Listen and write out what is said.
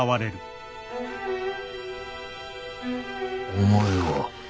お前は。